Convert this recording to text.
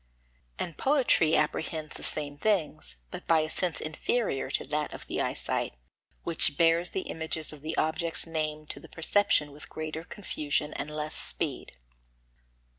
And poetry apprehends the same things, but by a sense inferior to that of the eyesight, which bears the images of the objects named to the perception with greater confusion and less speed.